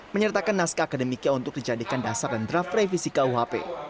menyertakan naskah akademiknya untuk dijadikan dasar dan draft revisi kuhp